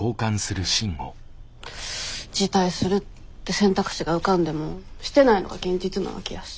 辞退するって選択肢が浮かんでもしてないのが現実なわけやし。